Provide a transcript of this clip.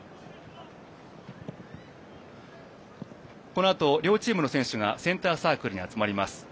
このあと両チームの選手がセンターサークルに集まります。